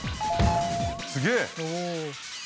すげえ！